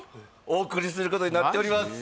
お送りすることになっております